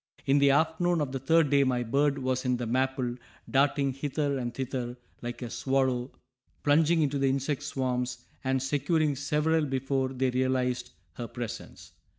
In the afternoon of the third day my bird was in the maple, darting hither and thither like a swallow, plunging into the insect swarms and securing several before they realized her presence.